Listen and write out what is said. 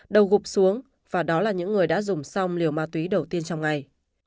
đầu gục xuống và đó là những người đã dùng xong liều ma túy đầu tiên trong ngày